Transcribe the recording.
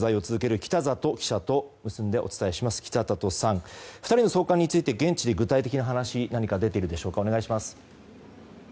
北里さん、２人の送還について現地で具体的な話が出ているでしょうか？